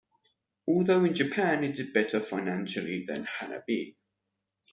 Although in Japan it did better financially than "Hana-bi".